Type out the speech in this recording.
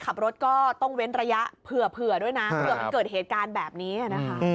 ข้างหน้ารถขานี่ก็